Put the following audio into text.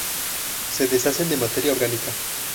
Se deshacen de materia orgánica.